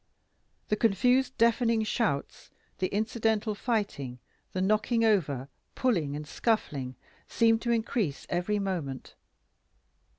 The confused deafening shouts, the incidental fighting, the knocking over, pulling and scuffling, seemed to increase every moment.